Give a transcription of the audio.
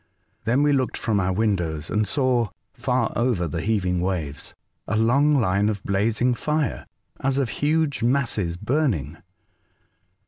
Then we looked from our windows and saw, far over tlie heaving waves, a long line of blazing fire, as of huge masses burning.